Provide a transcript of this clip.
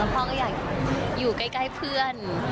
พ่อก็อยากอยู่ใกล้เพื่อน